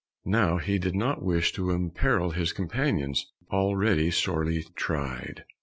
Now he did not wish to imperil his companions, already sorely tried.